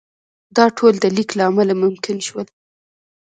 دا ټول د لیک له امله ممکن شول.